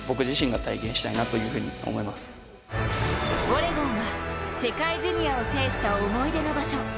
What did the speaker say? オレゴンは世界ジュニアを制した思い出の場所。